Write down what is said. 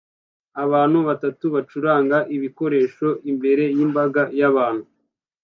Abantu batatu bacuranga ibikoresho imbere yimbaga yabantu